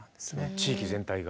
地域全体が？